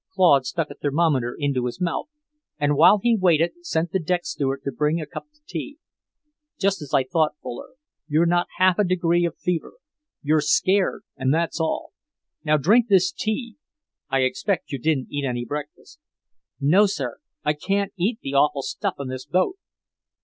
Claude stuck a thermometer into his mouth, and while he waited, sent the deck steward to bring a cup of tea. "Just as I thought, Fuller. You've not half a degree of fever. You're scared, and that's all. Now drink this tea. I expect you didn't eat any breakfast." "No, sir. I can't eat the awful stuff on this boat."